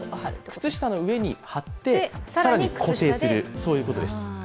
靴下の上に貼って、さらに固定するということです。